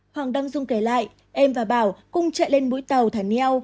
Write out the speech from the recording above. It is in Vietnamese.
hoàng đăng dung kể lại em và bảo cũng chạy lên mũi tàu thả neo